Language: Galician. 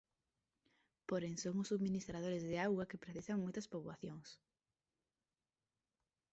Porén son os subministradores da auga que precisan moitas poboacións.